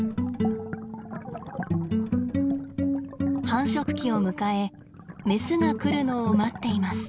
繁殖期を迎えメスが来るのを待っています。